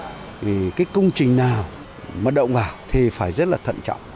những cái chỗ đấy mà bất kỳ cái công trình nào mà động vào thì phải rất là thận trọng